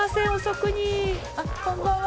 こんばんは。